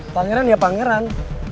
pangeran ya pangeran